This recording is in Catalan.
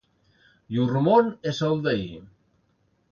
Llur món és el d'ahir.